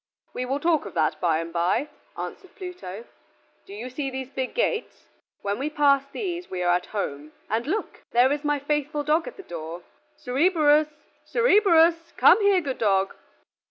"We will talk of that by and by," answered Pluto. "Do you see these big gates? When we pass these we are at home; and look! there is my faithful dog at the door! Cerberus; Cerberus, come here, good dog."